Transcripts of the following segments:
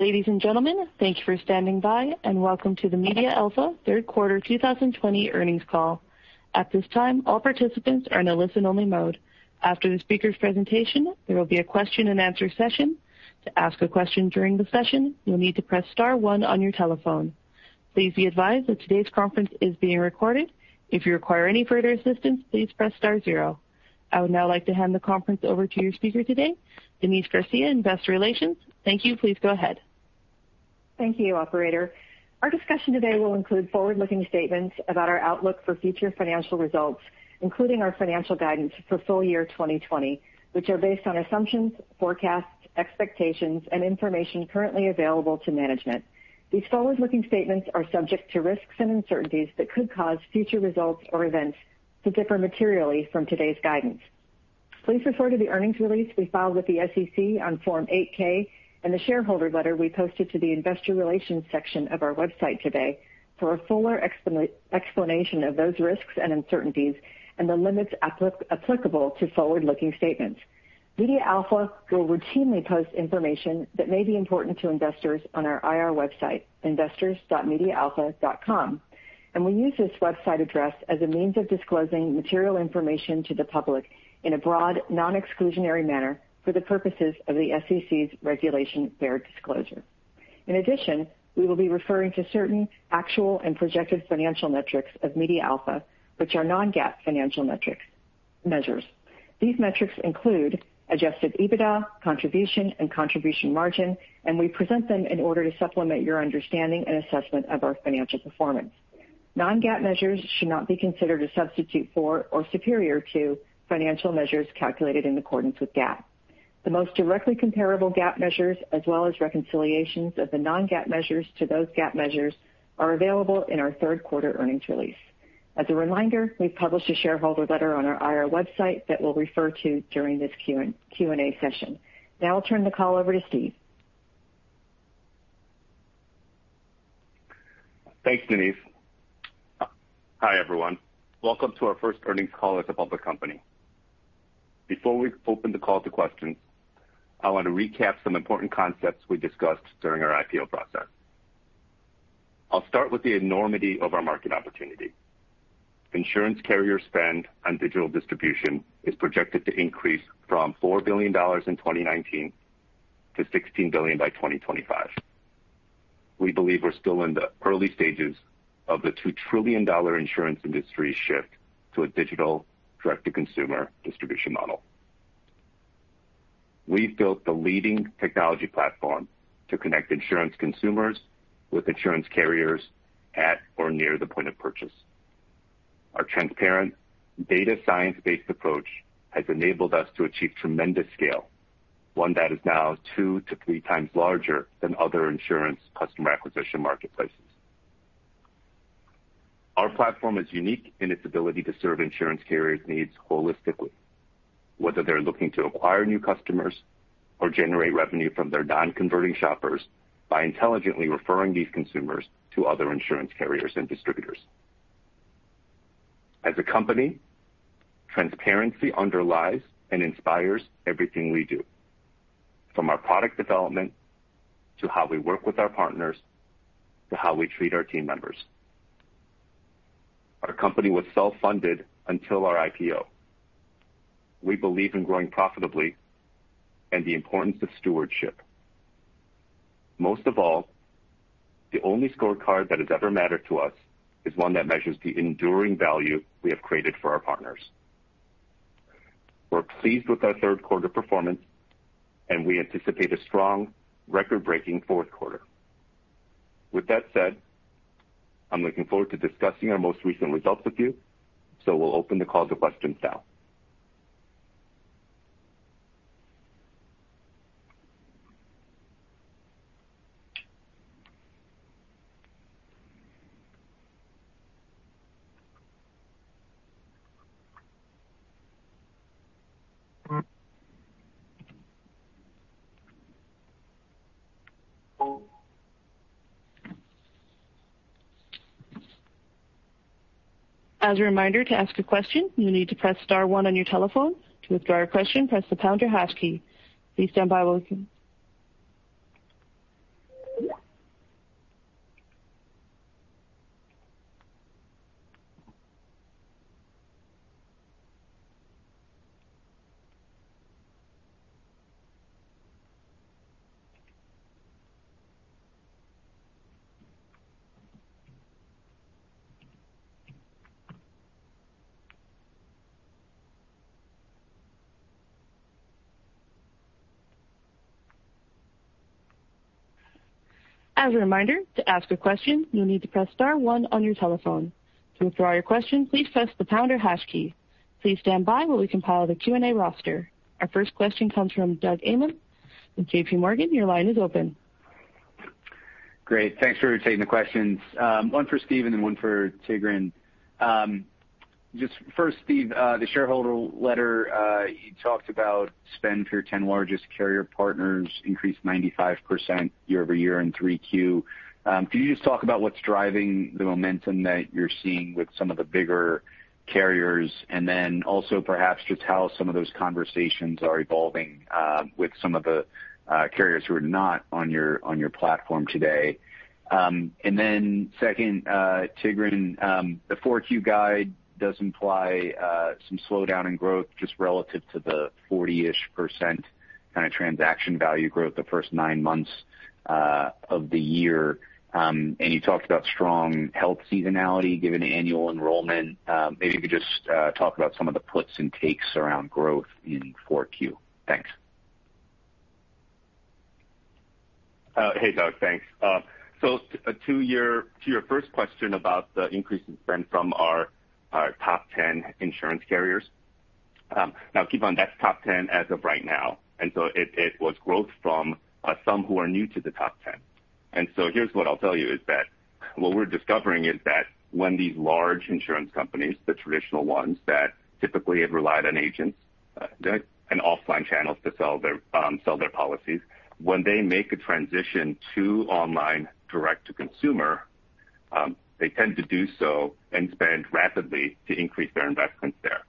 Ladies and gentlemen, thank you for standing by, and welcome to the MediaAlpha Q3 2020 earnings call. At this time, all participants are in a listen-only mode. After the speaker's presentation, there will be a question-and-answer session. To ask a question during the session, you'll need to press star one on your telephone. Please be advised that today's conference is being recorded. If you require any further assistance, please press star zero. I would now like to hand the conference over to your speaker today, Denise Garcia and investor relations. Thank you, please go ahead. Thank you, Operator. Our discussion today will include forward-looking statements about our outlook for future financial results, including our financial guidance for full year 2020, which are based on assumptions, forecasts, expectations, and information currently available to management. These forward-looking statements are subject to risks and uncertainties that could cause future results or events to differ materially from today's guidance. Please refer to the earnings release we filed with the SEC on form 8K and the shareholder letter we posted to the investor relations section of our website today for a fuller explanation of those risks and uncertainties and the limits applicable to forward-looking statements. MediaAlpha will routinely post information that may be important to investors on our IR website, investors.medialpha.com, and we use this website address as a means of disclosing material information to the public in a broad, non-exclusionary manner for the purposes of the SEC's regulation fair disclosure. In addition, we will be referring to certain actual and projected financial metrics of MediaAlpha, which are non-GAAP financial measures. These metrics include adjusted EBITDA, contribution, and contribution margin, and we present them in order to supplement your understanding and assessment of our financial performance. Non-GAAP measures should not be considered a substitute for or superior to financial measures calculated in accordance with GAAP. The most directly comparable GAAP measures, as well as reconciliations of the non-GAAP measures to those GAAP measures, are available in our Q3 earnings release. As a reminder, we've published a shareholder letter on our IR website that we'll refer to during this Q&A session. Now I'll turn the call over to Steve. Thanks, Denise. Hi, everyone. Welcome to our first earnings call as a public company. Before we open the call to questions, I want to recap some important concepts we discussed during our IPO process. I'll start with the enormity of our market opportunity. Insurance carrier spend on digital distribution is projected to increase from $4 billion in 2019 to $16 billion by 2025. We believe we're still in the early stages of the $2 trillion insurance industry shift to a digital direct-to-consumer distribution model. We've built the leading technology platform to connect insurance consumers with insurance carriers at or near the point of purchase. Our transparent, data-science-based approach has enabled us to achieve tremendous scale, one that is now two to three times larger than other insurance customer acquisition marketplaces. Our platform is unique in its ability to serve insurance carriers' needs holistically, whether they're looking to acquire new customers or generate revenue from their non-converting shoppers by intelligently referring these consumers to other insurance carriers and distributors. As a company, transparency underlies and inspires everything we do, from our product development to how we work with our partners to how we treat our team members. Our company was self-funded until our IPO. We believe in growing profitably and the importance of stewardship. Most of all, the only scorecard that has ever mattered to us is one that measures the enduring value we have created for our partners. We're pleased with our Q3 performance, and we anticipate a strong, record-breaking Q4. With that said, I'm looking forward to discussing our most recent results with you, so we'll open the call to questions now. As a reminder, to ask a question, you'll need to press star one on your telephone. To withdraw your question, press the pound or hash key. Please stand by while we compile the Q&A roster. Our first question comes from Doug Anmuth. JPMorgan, your line is open. Great. Thanks for taking the questions. One for Steven and one for Tigran. Just first, Steve, the shareholder letter, you talked about spend for your 10 largest carrier partners increased 95% year over year in 3Q. Could you just talk about what's driving the momentum that you're seeing with some of the bigger carriers, and then also perhaps just how some of those conversations are evolving with some of the carriers who are not on your platform today? Second, Tigran, the 4Q guide does imply some slowdown in growth just relative to the 40% kind of transaction value growth the first nine months of the year. You talked about strong health seasonality given annual enrollment. Maybe you could just talk about some of the puts and takes around growth in 4Q. Thanks. Hey, Doug, thanks. To your first question about the increase in spend from our top 10 insurance carriers, now keep in mind that's top 10 as of right now, and it was growth from some who are new to the top 10. Here's what I'll tell you is that what we're discovering is that when these large insurance companies, the traditional ones that typically have relied on agents and offline channels to sell their policies, when they make a transition to online direct-to-consumer, they tend to do so and spend rapidly to increase their investments there.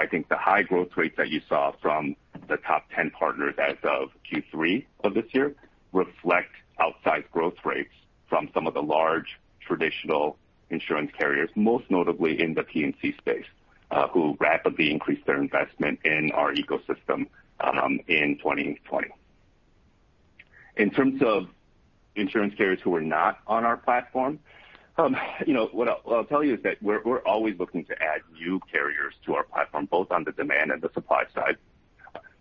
I think the high growth rates that you saw from the top 10 partners as of Q3 of this year reflect outsized growth rates from some of the large traditional insurance carriers, most notably in the P&C space, who rapidly increased their investment in our ecosystem in 2020. In terms of insurance carriers who are not on our platform, what I'll tell you is that we're always looking to add new carriers to our platform, both on the demand and the supply side.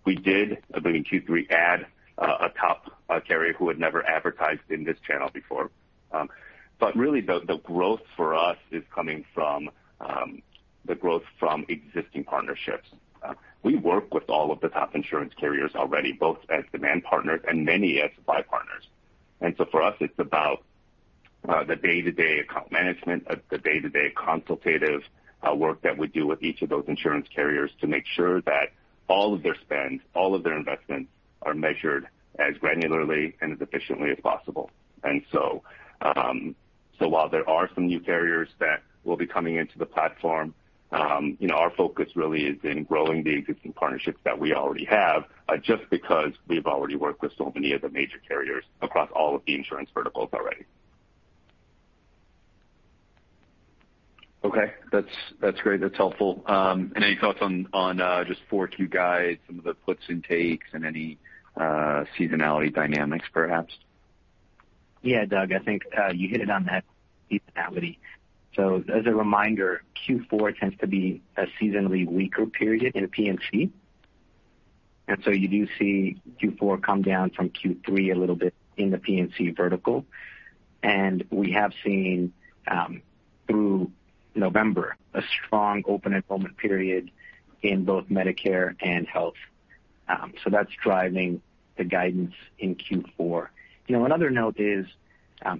We did, I believe, in Q3 add a top carrier who had never advertised in this channel before. Really, the growth for us is coming from the growth from existing partnerships. We work with all of the top insurance carriers already, both as demand partners and many as supply partners. For us, it's about the day-to-day account management, the day-to-day consultative work that we do with each of those insurance carriers to make sure that all of their spend, all of their investments are measured as granularly and as efficiently as possible. While there are some new carriers that will be coming into the platform, our focus really is in growing the existing partnerships that we already have just because we've already worked with so many of the major carriers across all of the insurance verticals already. Okay, that's great. That's helpful. Any thoughts on just 4Q guide, some of the puts and takes, and any seasonality dynamics, perhaps? Yeah, Doug, I think you hit it on that seasonality. As a reminder, Q4 tends to be a seasonally weaker period in P&C. You do see Q4 come down from Q3 a little bit in the P&C vertical. We have seen through November a strong open enrollment period in both Medicare and health. That is driving the guidance in Q4. Another note is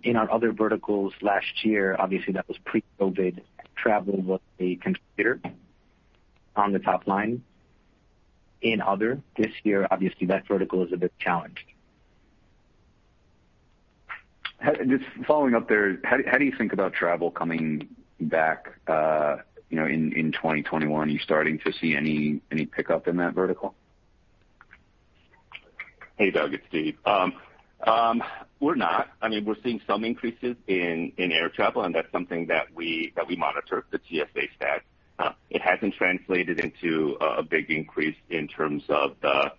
in our other verticals last year, obviously that was pre-COVID, travel was a contributor on the top line. In other, this year, obviously that vertical is a bit challenged. Just following up there, how do you think about travel coming back in 2021? Are you starting to see any pickup in that vertical? Hey, Doug, it's Steve. We're not. I mean, we're seeing some increases in air travel, and that's something that we monitor, the TSA stats. It hasn't translated into a big increase in terms of the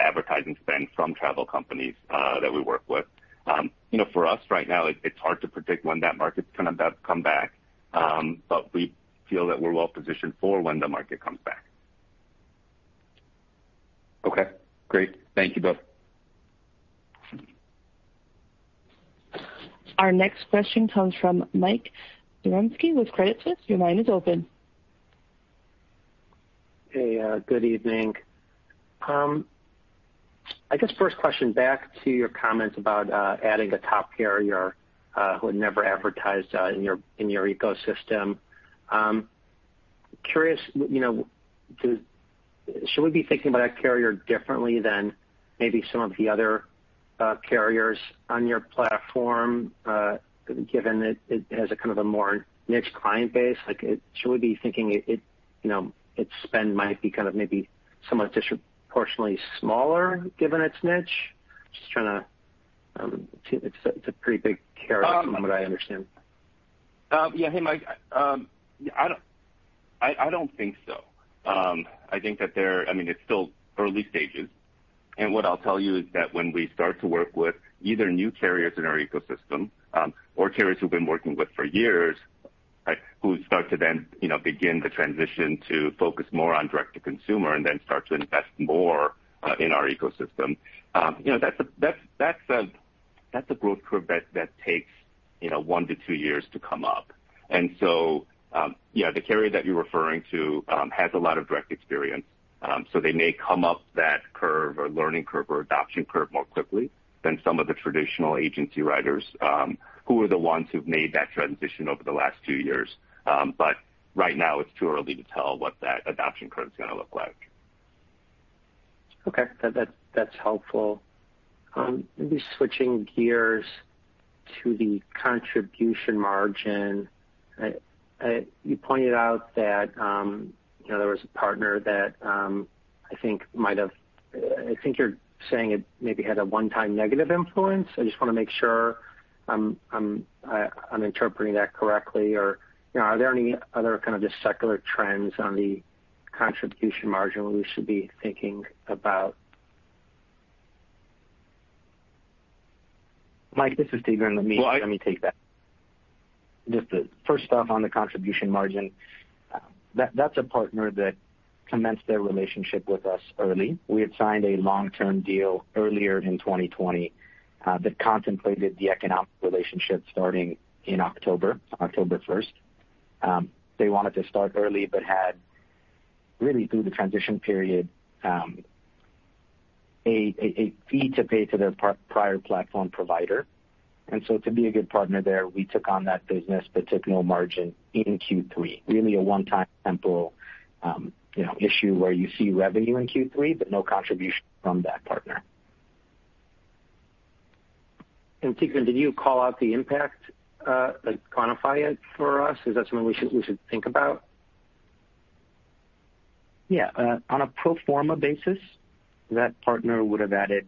advertising spend from travel companies that we work with. For us right now, it's hard to predict when that market's going to come back, but we feel that we're well positioned for when the market comes back. Okay, great. Thank you both. Our next question comes from Mike Romanowski with Credit Suisse. Your line is open. Hey, good evening. I guess first question back to your comments about adding a top carrier who had never advertised in your ecosystem. Curious, should we be thinking about that carrier differently than maybe some of the other carriers on your platform, given that it has a kind of a more niche client base? Should we be thinking its spend might be kind of maybe somewhat disproportionately smaller given its niche? Just trying to see, it's a pretty big carrier from what I understand. Yeah, hey, Mike, I don't think so. I think that they're, I mean, it's still early stages. What I'll tell you is that when we start to work with either new carriers in our ecosystem or carriers we've been working with for years, who start to then begin the transition to focus more on direct-to-consumer and then start to invest more in our ecosystem, that's a growth curve that takes one to two years to come up. The carrier that you're referring to has a lot of direct experience, so they may come up that curve or learning curve or adoption curve more quickly than some of the traditional agency riders who are the ones who've made that transition over the last two years. Right now, it's too early to tell what that adoption curve is going to look like. Okay, that's helpful. Maybe switching gears to the contribution margin. You pointed out that there was a partner that I think might have, I think you're saying it maybe had a one-time negative influence. I just want to make sure I'm interpreting that correctly. Are there any other kind of just secular trends on the contribution margin we should be thinking about? Mike, this is Tigran. Let me take that. Just first off on the contribution margin, that's a partner that commenced their relationship with us early. We had signed a long-term deal earlier in 2020 that contemplated the economic relationship starting in October, October 1st. They wanted to start early but had, really through the transition period, a fee to pay to their prior platform provider. To be a good partner there, we took on that business but took no margin in Q3. Really a one-time temporal issue where you see revenue in Q3, but no contribution from that partner. Tigran, did you call out the impact, quantify it for us? Is that something we should think about? Yeah, on a pro forma basis, that partner would have added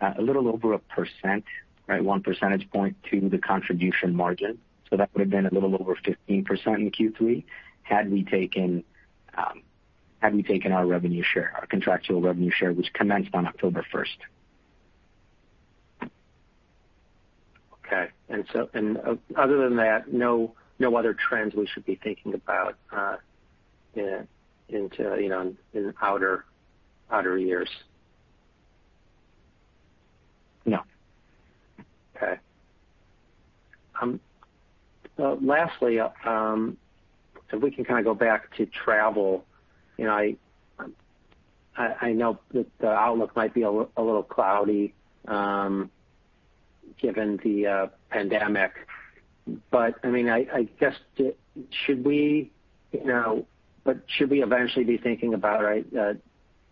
a little over a percent, right, one percentage point to the contribution margin. That would have been a little over 15% in Q3 had we taken our revenue share, our contractual revenue share, which commenced on October 1st. Okay. Other than that, no other trends we should be thinking about into outer years? No. Okay. Lastly, if we can kind of go back to travel, I know that the outlook might be a little cloudy given the pandemic. But I mean, I guess should we eventually be thinking about, right, that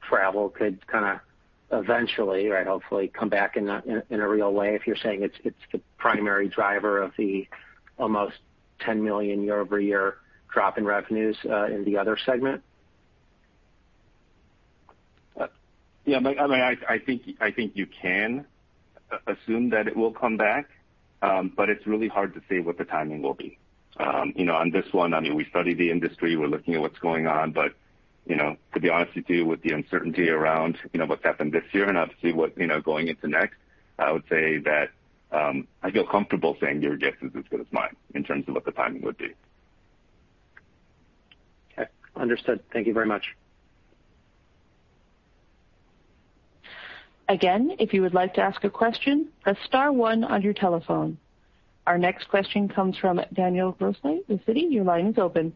travel could kind of eventually, right, hopefully come back in a real way if you're saying it's the primary driver of the almost $10 million year-over-year drop in revenues in the other segment? Yeah, I mean, I think you can assume that it will come back, but it's really hard to say what the timing will be. On this one, I mean, we study the industry. We're looking at what's going on. To be honest with you, with the uncertainty around what's happened this year and obviously what's going into next, I would say that I feel comfortable saying your guess is as good as mine in terms of what the timing would be. Okay, understood. Thank you very much. Again, if you would like to ask a question, press star one on your telephone. Our next question comes from Daniel Crossley, Citi. Your line is open.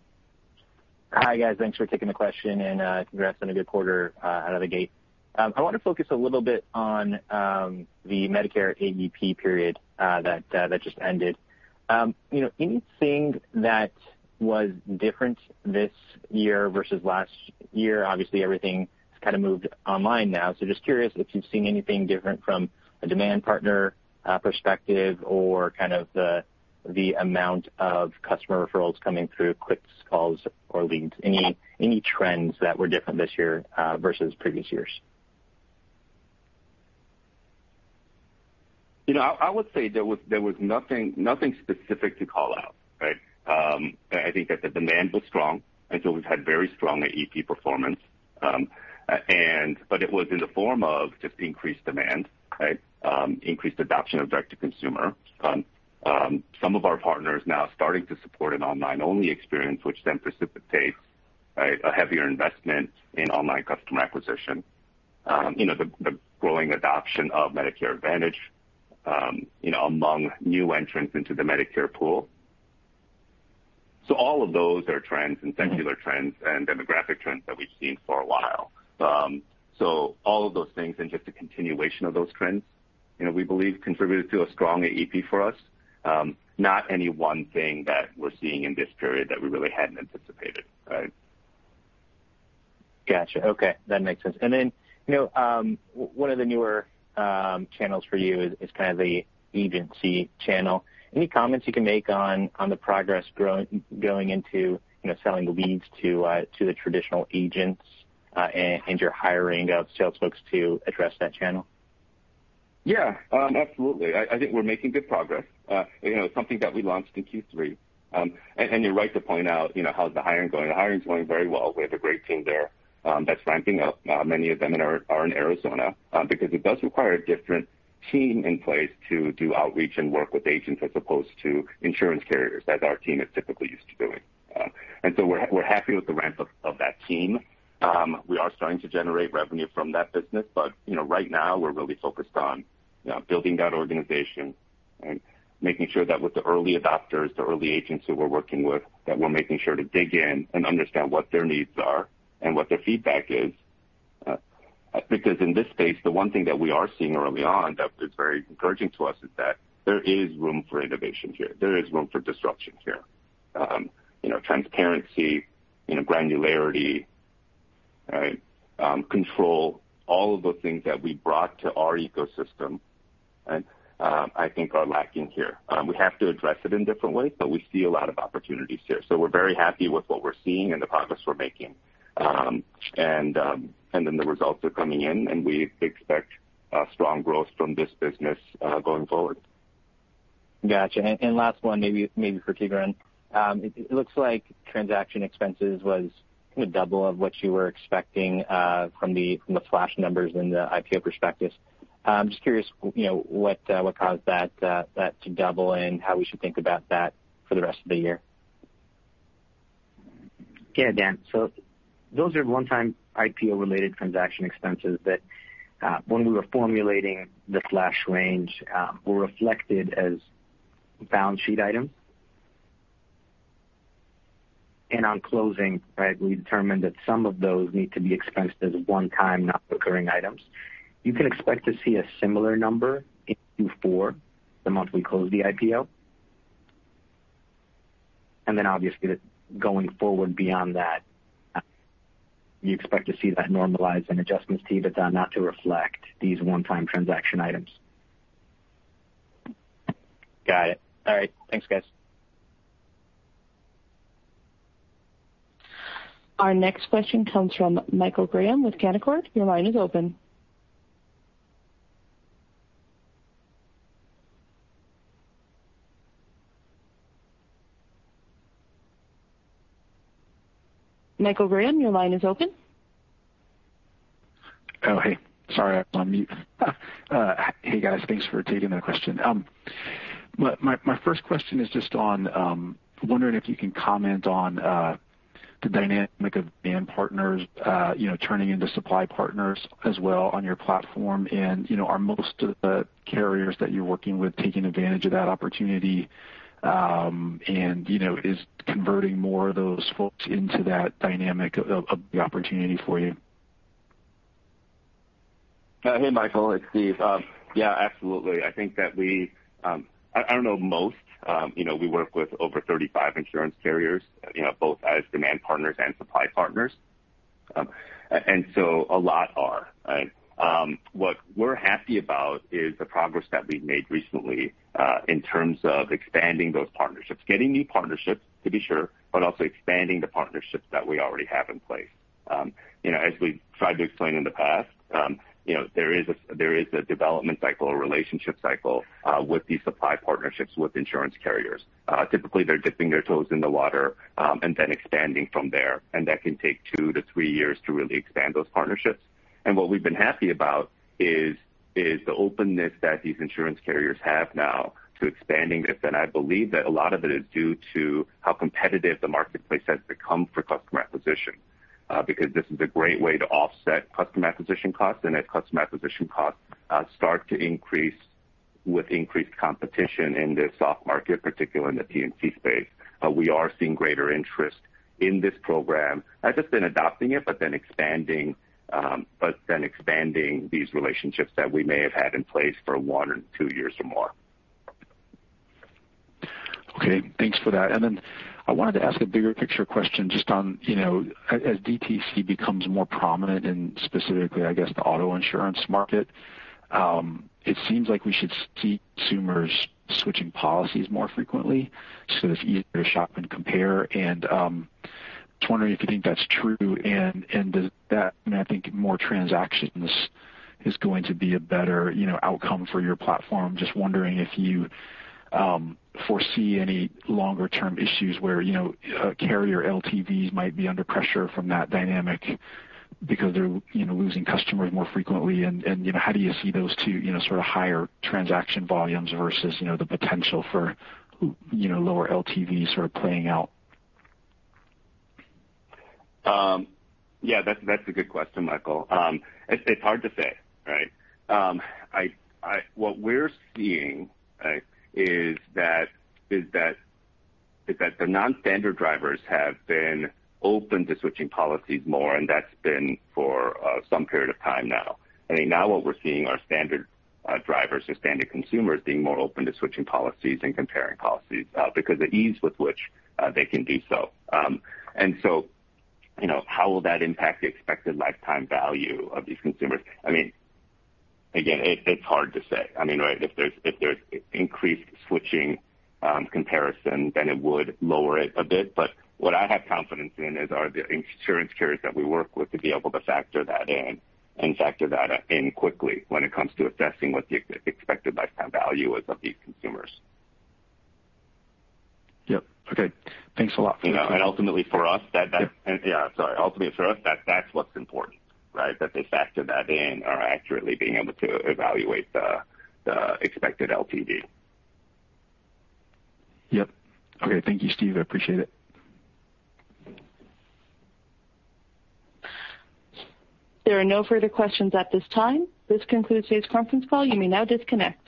Hi guys, thanks for taking the question and congrats on a good quarter out of the gate. I want to focus a little bit on the Medicare AEP period that just ended. Anything that was different this year versus last year? Obviously, everything has kind of moved online now. Just curious if you've seen anything different from a demand partner perspective or kind of the amount of customer referrals coming through, clicks, calls, or leads. Any trends that were different this year versus previous years? I would say there was nothing specific to call out, right? I think that the demand was strong and we have had very strong AEP performance. It was in the form of just increased demand, increased adoption of direct-to-consumer. Some of our partners now are starting to support an online-only experience, which then precipitates a heavier investment in online customer acquisition, the growing adoption of Medicare Advantage among new entrants into the Medicare pool. All of those are trends and secular trends and demographic trends that we have seen for a while. All of those things and just the continuation of those trends, we believe, contributed to a strong AEP for us. Not any one thing that we are seeing in this period that we really had not anticipated, right? Gotcha. Okay, that makes sense. One of the newer channels for you is kind of the agency channel. Any comments you can make on the progress going into selling leads to the traditional agents and your hiring of sales folks to address that channel? Yeah, absolutely. I think we're making good progress. It's something that we launched in Q3. You're right to point out how's the hiring going. The hiring's going very well. We have a great team there that's ramping up. Many of them are in Arizona because it does require a different team in place to do outreach and work with agents as opposed to insurance carriers as our team is typically used to doing. We're happy with the ramp-up of that team. We are starting to generate revenue from that business, but right now, we're really focused on building that organization and making sure that with the early adopters, the early agents who we're working with, we're making sure to dig in and understand what their needs are and what their feedback is. Because in this space, the one thing that we are seeing early on that is very encouraging to us is that there is room for innovation here. There is room for disruption here. Transparency, granularity, control, all of those things that we brought to our ecosystem, I think are lacking here. We have to address it in different ways, but we see a lot of opportunities here. We are very happy with what we are seeing and the progress we are making. The results are coming in, and we expect strong growth from this business going forward. Gotcha. Last one, maybe for Tigran. It looks like transaction expenses was the double of what you were expecting from the flash numbers and the IPO perspectives. I'm just curious what caused that to double and how we should think about that for the rest of the year. Yeah, Dan. Those are one-time IPO-related transaction expenses that, when we were formulating the flash range, were reflected as balance sheet items. On closing, right, we determined that some of those need to be expensed as one-time not-recurring items. You can expect to see a similar number in Q4, the month we closed the IPO. Obviously, going forward beyond that, you expect to see that normalize and adjustments to EBITDA not to reflect these one-time transaction items. Got it. All right, thanks guys. Our next question comes from Michael Graham with Canaccord. Your line is open. Michael Graham, your line is open. Oh, hey. Sorry. On mute. Hey guys, thanks for taking the question. My first question is just on wondering if you can comment on the dynamic of demand partners turning into supply partners as well on your platform. Are most of the carriers that you're working with taking advantage of that opportunity and is converting more of those folks into that dynamic of the opportunity for you? Hey, Michael, it's Steve. Yeah, absolutely. I think that we—I don't know most. We work with over 35 insurance carriers, both as demand partners and supply partners. What we're happy about is the progress that we've made recently in terms of expanding those partnerships, getting new partnerships, to be sure, but also expanding the partnerships that we already have in place. As we've tried to explain in the past, there is a development cycle, a relationship cycle with these supply partnerships with insurance carriers. Typically, they're dipping their toes in the water and then expanding from there. That can take two to three years to really expand those partnerships. What we've been happy about is the openness that these insurance carriers have now to expanding this. I believe that a lot of it is due to how competitive the marketplace has become for customer acquisition because this is a great way to offset customer acquisition costs. As customer acquisition costs start to increase with increased competition in this soft market, particularly in the P&C space, we are seeing greater interest in this program. Not just in adopting it, but then expanding these relationships that we may have had in place for one or two years or more. Okay, thanks for that. I wanted to ask a bigger picture question just on, as DTC becomes more prominent in specifically, I guess, the auto insurance market, it seems like we should see consumers switching policies more frequently so it's easier to shop and compare. I am just wondering if you think that's true. Does that mean, I think, more transactions is going to be a better outcome for your platform? I am just wondering if you foresee any longer-term issues where carrier LTVs might be under pressure from that dynamic because they're losing customers more frequently. How do you see those two sort of higher transaction volumes versus the potential for lower LTVs sort of playing out? Yeah, that's a good question, Michael. It's hard to say, right? What we're seeing is that the non-standard drivers have been open to switching policies more, and that's been for some period of time now. I think now what we're seeing are standard drivers or standard consumers being more open to switching policies and comparing policies because of the ease with which they can do so. How will that impact the expected lifetime value of these consumers? I mean, again, it's hard to say. I mean, right, if there's increased switching comparison, then it would lower it a bit. What I have confidence in is the insurance carriers that we work with to be able to factor that in and factor that in quickly when it comes to assessing what the expected lifetime value is of these consumers. Yep. Okay. Thanks a lot for that. Ultimately for us, that—yeah, sorry. Ultimately for us, that's what's important, right? That they factor that in or accurately being able to evaluate the expected LTV. Yep. Okay, thank you, Steve. I appreciate it. There are no further questions at this time. This concludes today's conference call. You may now disconnect.